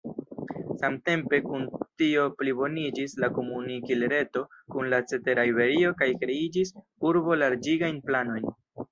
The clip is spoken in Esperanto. Samtempe kun tio pliboniĝis la komunikil-reto kun la cetera Iberio kaj kreiĝis urbo-larĝigajn planojn.